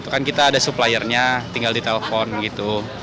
kan kita ada suppliernya tinggal ditelepon gitu